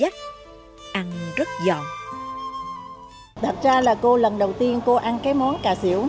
trông rắc ăn rất giòn